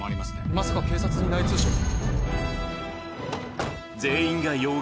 まさか警察に内通者が？